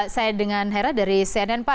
saya dengan hera dari cnn pak